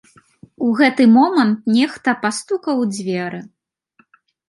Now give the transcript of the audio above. У гэты момант нехта пастукаў у дзверы.